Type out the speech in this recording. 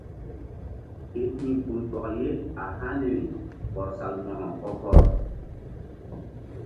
Ke hi̧ gunbɔk ye a haniri kɔr Salmo̧ko kɔ-kɔr.